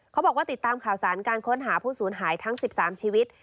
เขาบอกว่าติดตามข่าวสารการค้นหาผู้สูญหายทั้ง๑๓ชีวิต